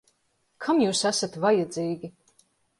Kam jūs esat vajadzīgi?